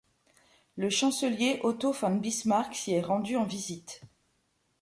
Le chancelier Otto von Bismarck s’y est rendu en visite.